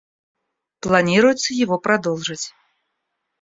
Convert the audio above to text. Планируется его продолжить.